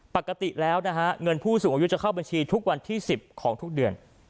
ปกติแล้วนะฮะเงินผู้สูงอายุจะเข้าบัญชีทุกวันที่๑๐ของทุกเดือน